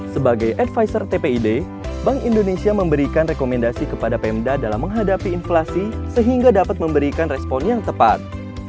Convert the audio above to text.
sebagai advisor tpid bank indonesia memberikan rekomendasi kepada pemda dalam menghadapi inflasi sehingga dapat memberikan respon yang tepat